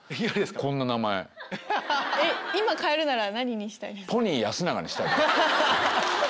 今変えるなら何にしたいですか？